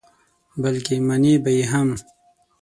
بلکې منې به یې هم.